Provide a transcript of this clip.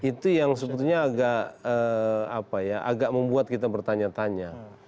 itu yang sebetulnya agak membuat kita bertanya tanya